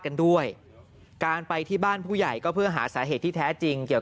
กันด้วยการไปที่บ้านผู้ใหญ่ก็เพื่อหาสาเหตุที่แท้จริงเกี่ยว